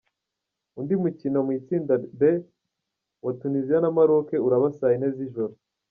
Undi mukino mu itsinda B wa Tuniziya na Maroc uraba saa yine z’ijoro.